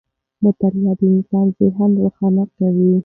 مطالعه د انسان ذهن روښانه کوي.